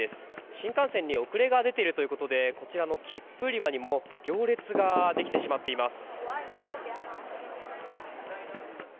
新幹線に遅れが出ているということでこちらの切符売り場にも行列ができてしまっています。